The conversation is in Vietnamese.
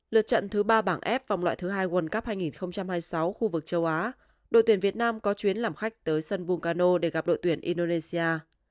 lượt trận thứ ba bảng f vòng loại thứ hai world cup hai nghìn hai mươi sáu khu vực châu á đội tuyển việt nam có chuyến làm khách tới sân bungano để gặp đội tuyển indonesia